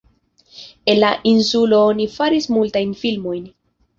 En la insulo oni faris multajn filmojn.